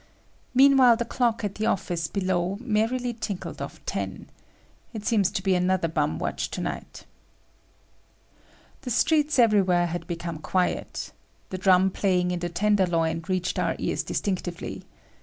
Meanwhile the clock at the office below merrily tinkled off ten. It seems to be another bum watch to night. The streets everywhere had become quiet. The drum playing in the tenderloin reached our ears distinctively.